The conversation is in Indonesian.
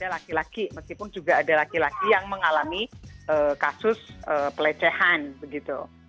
laki laki meskipun juga ada laki laki yang mengalami kasus pelecehan begitu